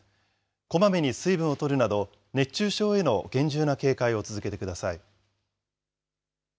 こまめに水分をとるなど、熱中症への厳重な警戒を続けてください。